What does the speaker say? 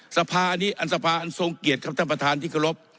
สภาอันนี้อันสภาอันทรงเกียรติครับท่านประธานที่เคารพ